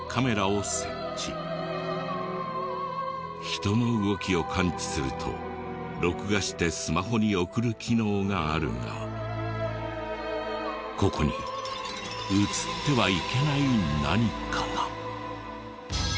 人の動きを感知すると録画してスマホに送る機能があるがここに映ってはいけない何かが。